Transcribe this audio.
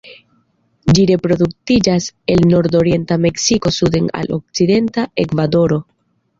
Ĝi reproduktiĝas el nordorienta Meksiko suden al okcidenta Ekvadoro.